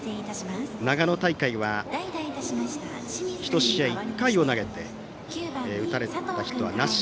長野大会は１試合１回を投げて打たれたヒットはなし。